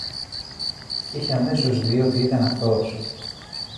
Είχε αμέσως δει ότι ήταν αυτός.